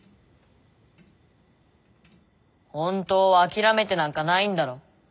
本当は諦めてなんかないんだろ？